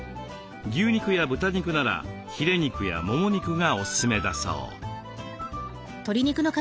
牛肉や豚肉ならヒレ肉やもも肉がおすすめだそう。